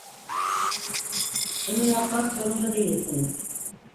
Bunu yapmak zorunda değilsiniz.